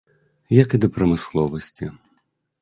Як і да прамысловасці.